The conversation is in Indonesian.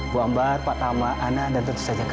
bu ambar pak tama ana dan tentu saja